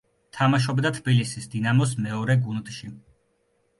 თამაშობდა თბილისის „დინამოს“ მეორე გუნდში.